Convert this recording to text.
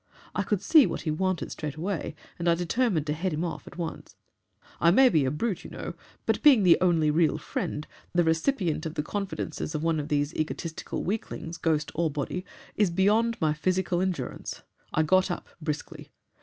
I could see what he wanted straight away, and I determined to head him off at once. I may be a brute, you know, but being the Only Real Friend, the recipient of the confidences of one of these egotistical weaklings, ghost or body, is beyond my physical endurance. I got up briskly.